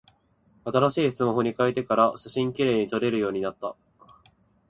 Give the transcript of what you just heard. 新しいスマホに変えてから、写真綺麗に撮れるようになった。